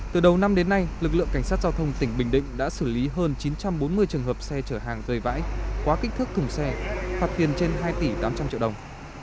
từ đầu năm đến nay lực lượng cảnh sát giao thông tỉnh bình định đã xử lý hơn chín trăm bốn mươi trường hợp xe chở hàng rời vãi quá kích thước thùng xe phạt tiền trên hai tỷ tám trăm linh triệu đồng